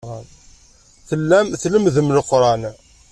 Tellam tlemmdem Leqran.